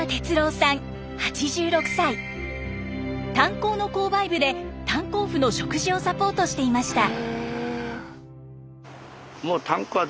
炭鉱の購買部で炭鉱夫の食事をサポートしていました。